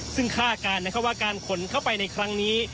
ซึ่งคาดการณ์ว่าการขนเข้าไปในครั้งนี้